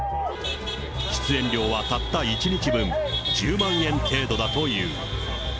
出演料はたった１日分、１０万円程度だという。